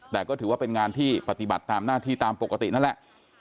แต่ก็ถือว่าเป็นงานที่ปฏิบัติตามหน้าที่ตามปกตินั่นแหละ